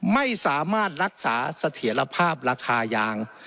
ไม่สามารถรักษาเสถียรภาพราคายาง